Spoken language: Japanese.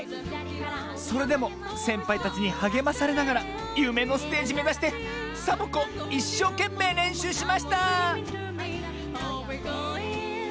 それでもせんぱいたちにはげまされながらゆめのステージめざしてサボ子いっしょうけんめいれんしゅうしました！